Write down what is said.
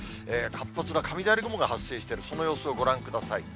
活発な雷雲が発生してる、その様子をご覧ください。